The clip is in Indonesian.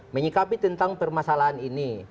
menyikapi tentang permasalahan ini